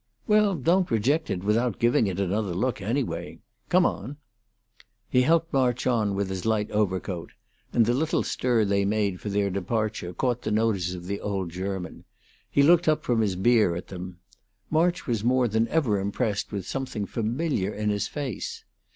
"Well, don't reject it without giving it another look, anyway. Come on!" He helped March on with his light overcoat, and the little stir they made for their departure caught the notice of the old German; he looked up from his beer at them. March was more than ever impressed with something familiar in his face.